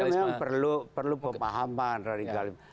saya kira itu memang perlu perlu pemahaman radikalisme